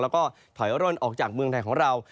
แล้วก็ถอยร่นออกจากเมืองไทยของเรา